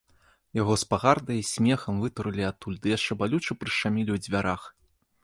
Яго з пагардай і смехам вытурылі адтуль ды яшчэ балюча прышчамілі ў дзвярах.